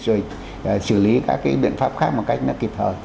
rồi xử lý các cái biện pháp khác một cách nó kịp thời